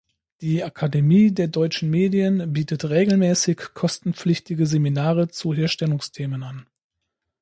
Die Akademie der Deutschen Medien bietet regelmäßig kostenpflichtige Seminare zu Herstellungs-Themen an.